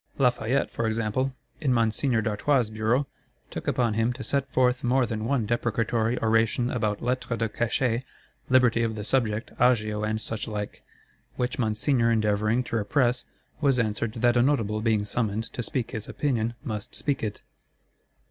Lafayette, for example, in Monseigneur d'Artois' Bureau, took upon him to set forth more than one deprecatory oration about Lettres de Cachet, Liberty of the Subject, Agio, and suchlike; which Monseigneur endeavouring to repress, was answered that a Notable being summoned to speak his opinion must speak it.